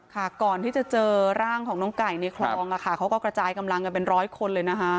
ก่อนที่จะเจอร่างของน้องไก่ในคลองอะค่ะเขาก็กระจายกำลังกันเป็นร้อยคนเลยนะคะ